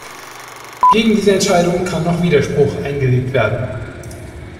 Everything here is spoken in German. Gegen diese Entscheidung kann noch Widerspruch eingelegt werden.